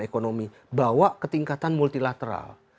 ekonomi bawa ketingkatan multilateral